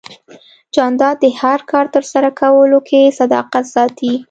جانداد د هر کار ترسره کولو کې صداقت ساتي.